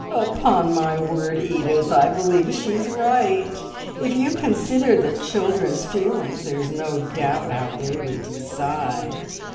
"Upon my word, Edith, I believe she is right! If you consider the children's feelings, there is no doubt how they would decide.